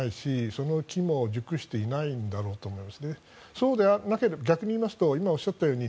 その機も熟していないんだと思います。